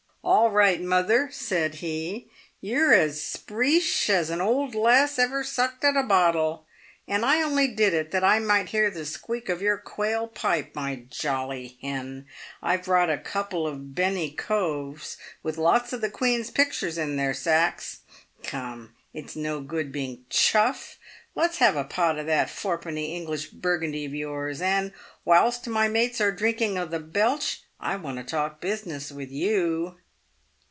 " All right, mother!" said he. " You're as spreeish an old lass as ever sucked at a bottle, and I only did it that 1 might hear the squeak of your quail pipe, my jolly hen. I've brought a couple of bene coves, with lots of the Queen's pictures in their sacks. Come, it's no good being chuff! Let's have a pot of that fourpenny English Burgundy of yours, and, whilst my mates are drinking the * belch,' I want to talk business with you."